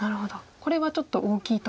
これはちょっと大きいと。